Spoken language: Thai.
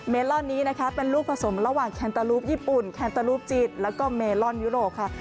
ลอนนี้นะคะเป็นลูกผสมระหว่างแคนตารูปญี่ปุ่นแคนเตอร์รูปจีนแล้วก็เมลอนยุโรปค่ะ